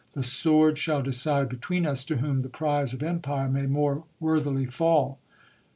The sword shall decide between us to whom the prize of empire may more worthily fall.